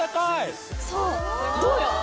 そうどうよ？